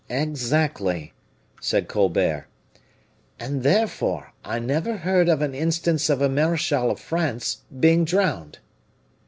"Exactly," said Colbert. "And, therefore, I never heard of an instance of a marechal of France being drowned."